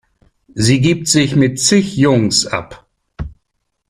Sie gibt sich mit zig Jungs ab.